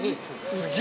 すげえ！